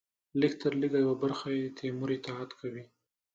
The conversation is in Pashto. لږترلږه یوه برخه یې د تیمور اطاعت کوي.